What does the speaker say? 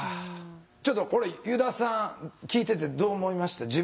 ちょっとこれ油田さん聞いててどう思いました？